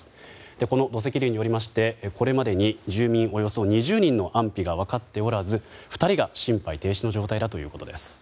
この土石流によりますとこれまでに住人およそ２０人の分かっておらず２人が心肺停止の状態だということです。